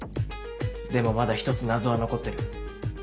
でもまだ１つ謎は残ってる。